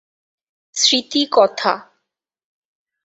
স্মৃতি কথা